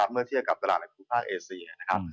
เมื่อเทียบกับตลาดในปุ่มภาคเอก